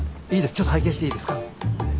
ちょっと拝見していいですか？